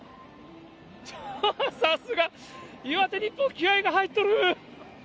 さすが、岩手日報、気合いが入っとるー！